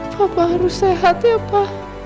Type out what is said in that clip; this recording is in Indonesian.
papa harus sehat ya pa